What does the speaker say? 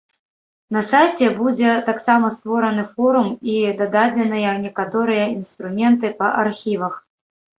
На сайце будзе таксама створаны форум і дададзеныя некаторыя інструменты па архівах.